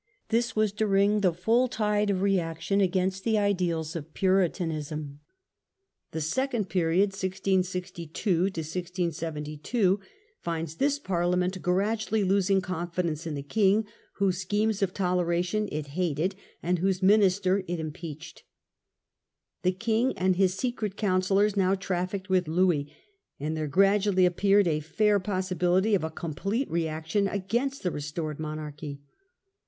This was during the full tide of reaction against the ideals of Puritanism. The second period (1662 167 2) finds this Parliament gradually losing confidence in the king, whose schemes of toleration it hated, and whose minister it impeached. The king and his secret councillors now trafficked with Louis, and there gradually appeared a fair possibility of a complete reaction against the restored monarchy.